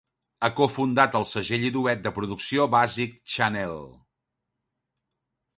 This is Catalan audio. Ha cofundat el segell i duet de producció Basic Channel.